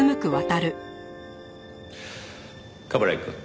冠城くん。